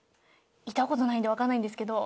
いた事ないのでわかんないんですけど。